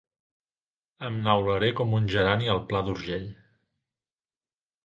Em neularé com un gerani al Pla d'Urgell.